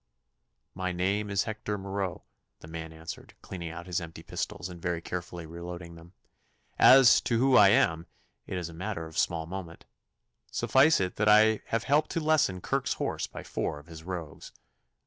'My name is Hector Marot,' the man answered, cleaning out his empty pistols and very carefully reloading them. 'As to who I am, it is a matter of small moment. Suffice it that I have helped to lessen Kirk's horse by four of his rogues.